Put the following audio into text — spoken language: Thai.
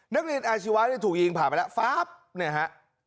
นักเรียนอาชีวะเนี่ยถูกยิงผ่านไปแล้วฟ้าบเนี่ยฮะ